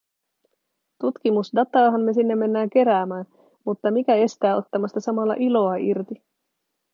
Tutkimusdataahan me sinne mennään keräämään, mutta mikä estää ottamasta samalla iloa irti?